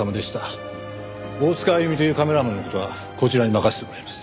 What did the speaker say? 大塚あゆみというカメラマンの事はこちらに任せてもらいます。